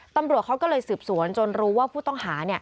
ตำรวจเขาก็เลยสืบสวนจนรู้ว่าผู้ต้องหา